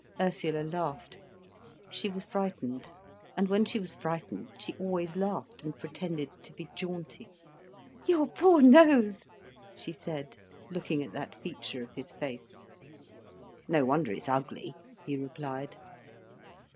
Ursula laughed. She was frightened, and when she was frightened she always laughed and pretended to be jaunty. "Your poor nose!" she said, looking at that feature of his face. "No wonder it's ugly," he replied.